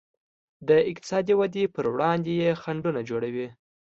د اقتصادي ودې پر وړاندې یې خنډونه جوړوي.